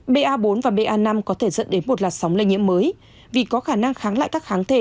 ba bốn và ba năm có thể dẫn đến một làn sóng lây nhiễm mới vì có khả năng kháng lại các kháng thể